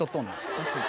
確かに。